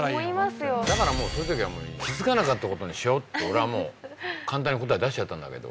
だからもうそういうときはもう気づかなかったことにしようって俺はもう簡単に答え出しちゃったんだけど。